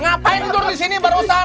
ngapain tidur disini baru san